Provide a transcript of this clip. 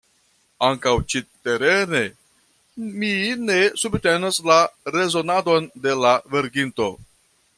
Ankaŭ ĉi-terene mi ne subtenas la rezonadon de la verkinto.